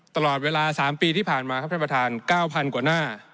ตลอดเวลา๓ปีที่ผ่านมาครับท่านประธาน๙๐๐กว่าหน้า